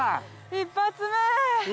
一発目！